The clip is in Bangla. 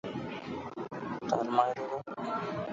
তার মায়রে বাপ?